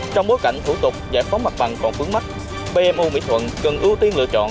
trong bối cảnh thủ tục giải phóng mặt bằng còn vướng mắt bmo mỹ thuận cần ưu tiên lựa chọn